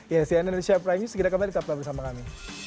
ya sian indonesia prime news segera kembali tetap bersama kami